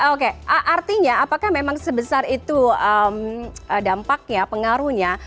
oke artinya apakah memang sebesar itu dampaknya pengaruhnya